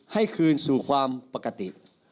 ให้คืนสู่ความปกติ